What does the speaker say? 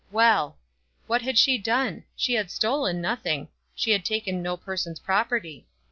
Well! What had she done? She had stolen nothing. She had taken no person's property.